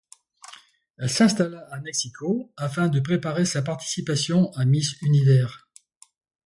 Elle s'installa à Mexico afin de préparer sa participation à Miss Univers.